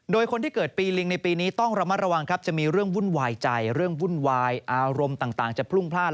โดยคนที่เกิดปีลิงในปีนี้ต้องระมัดระวังครับจะมีเรื่องวุ่นวายใจเรื่องวุ่นวายอารมณ์ต่างจะพรุ่งพลาด